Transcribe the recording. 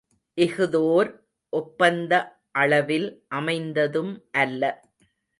இஃதோர் ஒப்பந்த அளவில் அமைந்ததும் அல்ல.